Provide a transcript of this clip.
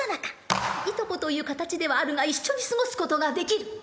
いとこという形ではあるが一緒に過ごすことができる。